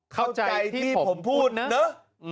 เข้าใจที่ผมพูดนะ